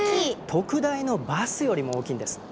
特大のバスよりも大きいんです。